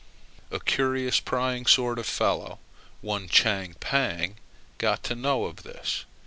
A curious prying sort of fellow, one Chang Pang, got to know of this.